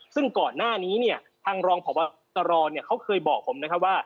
ซึ่งก่อนหน้านี้เนี่ยทางรองพบตรเขาเคยบอกผมนะครับว่า